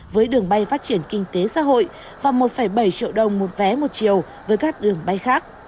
với đường bay phát triển kinh tế xã hội và một bảy triệu đồng một vé một chiều với các đường bay khác